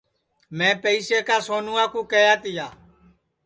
میں پئیسے کا سونوا کیہیا تیا